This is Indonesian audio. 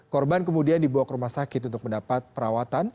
korban kemudian dibawa ke rumah sakit untuk mendapat perawatan